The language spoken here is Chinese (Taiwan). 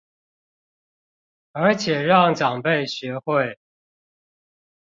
而且讓長輩學會